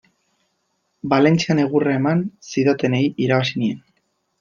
Valentzian egurra eman zidatenei irabazi nien.